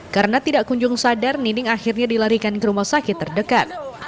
karena tidak kunjung sadar nining akhirnya dilarikan ke rumah sakit terdekat